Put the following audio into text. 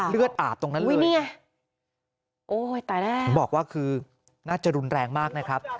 เลือดอาบตรงนั้นเลยบอกว่าคือน่าจะรุนแรงมากนะครับ